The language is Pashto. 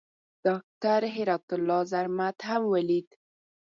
ډاکټر هرات الله زرمت هم ولید.